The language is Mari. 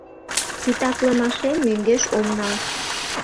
— Титаклымашем мӧҥгеш ом нал.